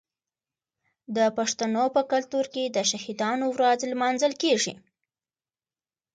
د پښتنو په کلتور کې د شهیدانو ورځ لمانځل کیږي.